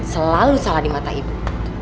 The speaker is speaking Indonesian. selalu salah di mata ibu